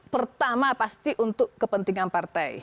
pertama pasti untuk kepentingan partai